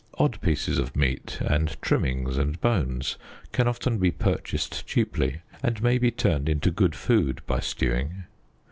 Odd pieces of meat and trimmings and bones can often be purchased cheaply, and may be turned into good food by stewing.